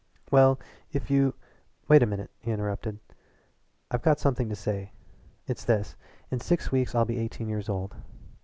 "Well, if you " "Wait a minute," he interrupted. "I've got something to say. It's this: in six weeks I'll be eighteen years old.